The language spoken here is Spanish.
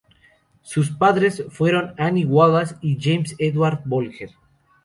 Sus padres fueron Anne Wallace y James Edward Bolger.